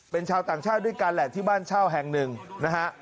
เป็นชาวต่างชาติด้วยกันแหละที่บ้านเช่าแห่งหนึ่งนะฮะ